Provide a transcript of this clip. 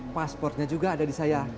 pasportnya juga ada di saya